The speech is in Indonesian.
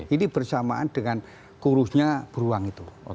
ini bersamaan dengan kurusnya beruang itu